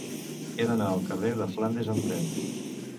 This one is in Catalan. He d'anar al carrer de Flandes amb tren.